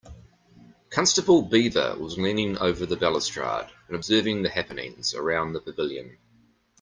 Constable Beaver was leaning over the balustrade and observing the happenings around the pavilion.